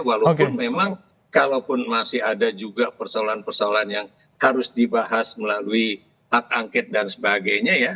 walaupun memang kalaupun masih ada juga persoalan persoalan yang harus dibahas melalui hak angket dan sebagainya ya